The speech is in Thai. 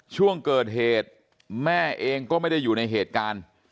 ช่วงเกิดเหตุแม่เองก็ไม่ได้อยู่ในเหตุการณ์